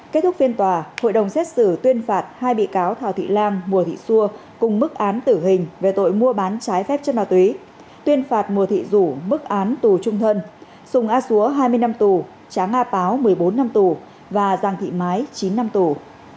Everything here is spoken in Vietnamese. kết thúc phiên tòa hội đồng xét xử tuyên phạt hai bị cáo thảo thị lam mùa thị xua cùng mức án tử hình về tội mua bán trái phép chất ma túy tuyên phạt mùa thị dũ mức án tù trung thân sùng a xúa hai mươi năm tù trá nga páo một mươi bốn năm tù và giàng thị mái chín năm tù